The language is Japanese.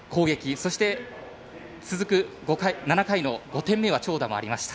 そして、続く７回の５点目は長打もありました。